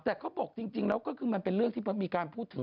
แต่เขาบอกจริงแล้วก็คือมันเป็นเรื่องที่มีการพูดถึง